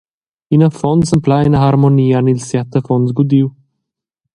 Ina affonza en pleina harmonia han ils siat affons gudiu.